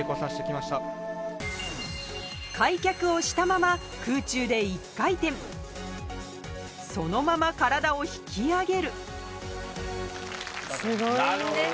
開脚をしたまま空中で１回転そのまま体を引き上げるすごいんですよ！